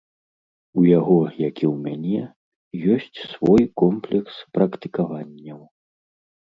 У яго, як і ў мяне, ёсць свой комплекс практыкаванняў.